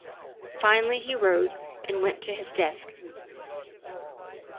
Finally he rose and went to his desk.